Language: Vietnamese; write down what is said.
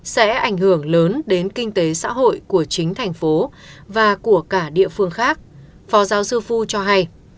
sẽ ảnh hưởng lớn đến kinh tế xã hội của chính thành phố và của cả địa phương khác phó giáo sư phu cho hay